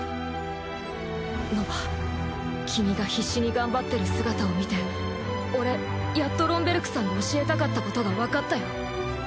ノヴァ君が必死に頑張ってる姿を見て俺やっとロン・ベルクさんの教えたかったことがわかったよ。